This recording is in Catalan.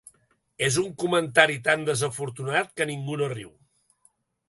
És un comentari tan desafortunat que ningú no riu.